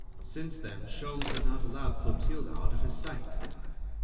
Since then, Sholmes had not allowed Clotilde out of his sight.